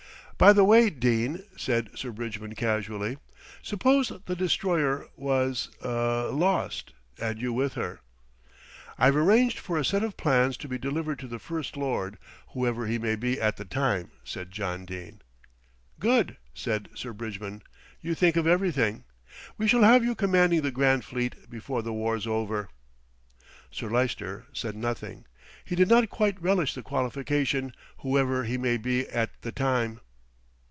"By the way, Dene," said Sir Bridgman casually, "suppose the Destroyer was er lost and you with her." "I've arranged for a set of plans to be delivered to the First Lord, whoever he may be at the time," said John Dene. "Good!" said Sir Bridgman. "You think of everything. We shall have you commanding the Grand Fleet before the war's over."' Sir Lyster said nothing. He did not quite relish the qualification "whoever he may be at the time."